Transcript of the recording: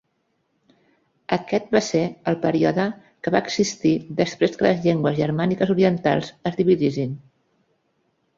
Aquest va ser el període que va existir després que les llengües germàniques orientals es dividissin.